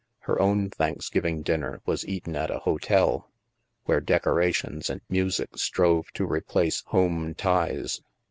Her own Thanksgiving dinner was eaten at a hotel, where decorations and music strove to replace home ties.